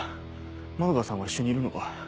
円さんは一緒にいるのか？